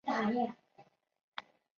情态动词是用来表示情态的。